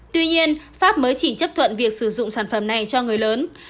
tuy nhiên pháp mới chỉ chấp thuận việc sử dụng sản phẩm này cho người lớn